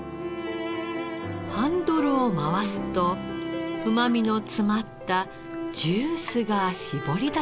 ハンドルを回すとうまみの詰まったジュースが搾り出されました。